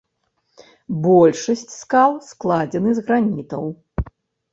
Большасць скал складзены з гранітаў.